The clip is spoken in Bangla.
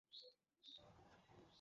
তুমি আমাকে বিশ্বাস করছ না কেন, ডেভ?